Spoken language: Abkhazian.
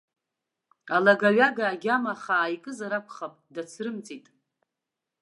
Алагаҩага агьама хаа икызар акәхап, дацрымҵит.